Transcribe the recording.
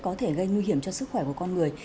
có thể gây nguy hiểm cho sức khỏe của con người